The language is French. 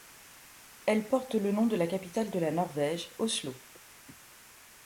Elle porte le nom de la capitale de la Norvège, Oslo.